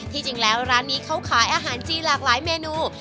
จริงแล้วร้านนี้เขาขายอาหารจีนหลากหลายเมนู